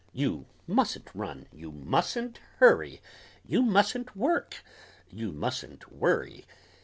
You mustn't run you mustn't hurry! You mustn't work you mustn't worry!